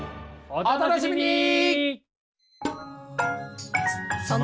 お楽しみに！